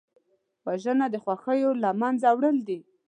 وژنه د خوښیو له منځه وړل دي